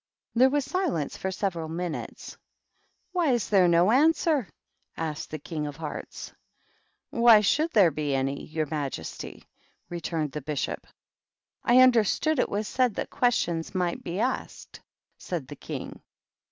There was silence for several minutes. " Why is there no answer ?" asked the King of Hearts. " Why should there be any, your majesty ?" returned the Bishop. " I understood it was said that questions might be asked," said the King.